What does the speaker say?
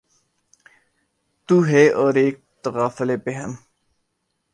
تو ہے اور اک تغافل پیہم